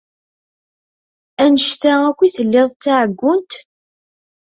Annect-a akk i telliḍ d taɛeggunt?